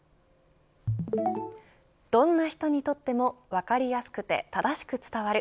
どんな人にとっても分かりやすくて正しく伝わる。